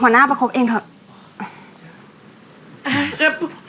หัวหน้าประคบเองครับ